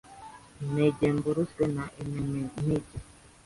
ntegemburuzwe n’emenenize.